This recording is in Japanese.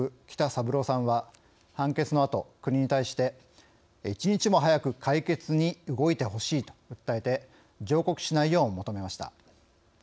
北三郎さんは判決のあと、国に対して「１日も早く解決に動いてほしい」と訴えて上告しないよう求めました。